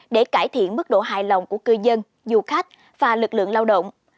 để cải thiện mức độ hài lòng của cư dân du khách và lực lượng lao động